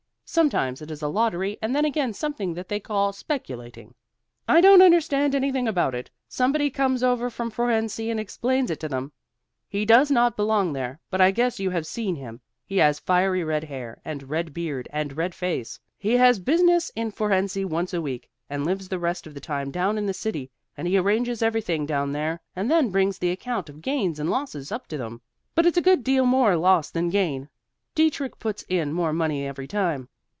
Sometimes it is a lottery and then again something that they call speculating. I don't understand anything about it. Somebody comes over from Fohrensee and explains it to them. He does not belong there; but I guess you have seen him; he has fiery red hair, and red beard and red face. He has business in Fohrensee once a week, and lives the rest of the time down in the city; and he arranges everything down there, and then brings the account of gains and losses up to them; but it's a good deal more loss than gain. Dietrich puts in more money every time.